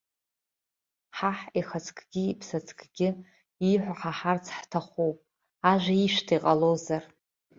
Ҳаҳ ихаҵкгьы-иԥсаҵкгьы ииҳәо ҳаҳарц ҳҭахуп, ажәа ишәҭа иҟалозар!